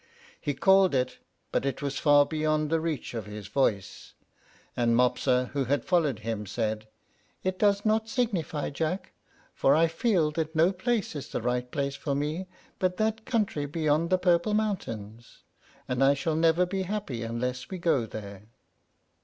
He called it, but it was far beyond the reach of his voice; and Mopsa, who had followed him, said, "It does not signify, Jack, for I feel that no place is the right place for me but that country beyond the purple mountains, and I shall never be happy unless we go there."